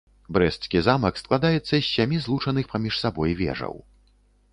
Брэсцкі замак складаецца з сямі злучаных паміж сабой вежаў.